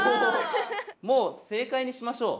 もう正解にしましょう。